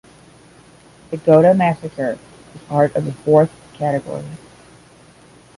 The Goda massacre is part of the fourth category.